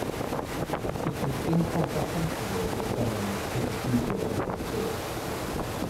It is incomprehensible that someone would pick a Beetle over a Porsche.